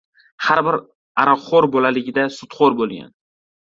— Har bir aroqxo‘r bolaligida sutxo‘r bo‘lgan.